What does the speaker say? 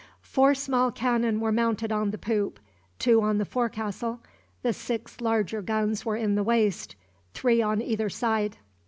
Four small cannon were mounted on the poop, two on the forecastle, the six larger guns were in the waist three on either side.